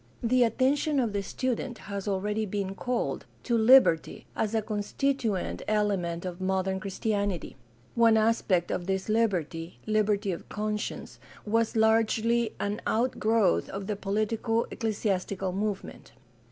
The attention of the student has already been called to liberty as a constituent element of modern Christianity. One aspect of this Hberty — liberty of conscience — ^was largely an out growth of the politico ecclesiastical movement.